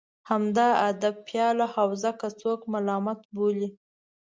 همدا ادبپاله حوزه که څوک ملامت بولي.